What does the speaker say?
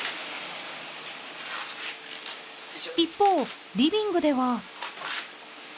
一方リビングでは。